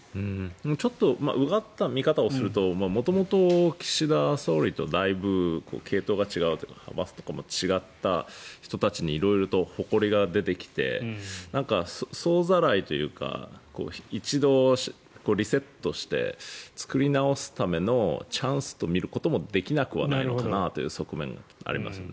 ちょっとうがった見方をすると元々、岸田総理とだいぶ系統が違うというか派閥とかも違った人たちに色々とほこりが出てきて総ざらいというか一度、リセットして作り直すためのチャンスと見ることもできなくはないかなという側面がありますよね。